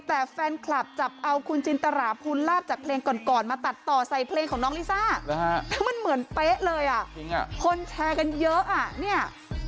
ถ้าเต้นเห็นไหมเพราะความโยขย้าย